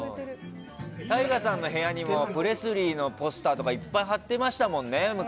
ＴＡＩＧＡさんの部屋にもプレスリーのポスターとかいっぱい貼ってましたもんね、昔。